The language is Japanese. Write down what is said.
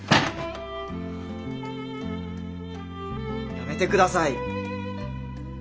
やめてください！